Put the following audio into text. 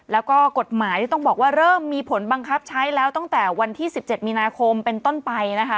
แล้วก็กฎหมายที่ต้องบอกว่าเริ่มมีผลบังคับใช้แล้วตั้งแต่วันที่๑๗มีนาคมเป็นต้นไปนะคะ